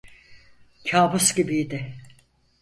Kabus gibiydi.